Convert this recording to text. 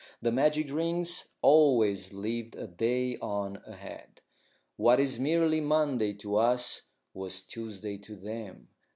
The magic rings always lived a day on ahead; what is merely Monday to us was Tuesday to them.